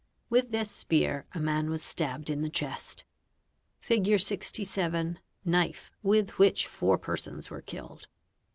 With this spear man was stabbed in the chest. Figure 67: knife with which four persons were killed.